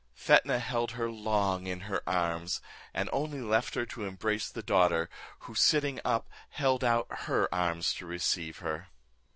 Fetnah held her long in her arms, and only left her to embrace the daughter, who, sitting up, held out her arms to receive her.